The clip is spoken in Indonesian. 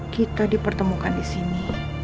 kita dipertemukan disini